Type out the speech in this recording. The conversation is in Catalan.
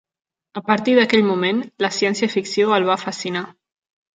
A partir d'aquell moment, la ciència-ficció el va fascinar.